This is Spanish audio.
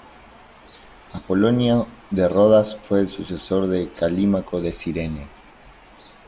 Apolonio de Rodas fue el sucesor de Calímaco de Cirene.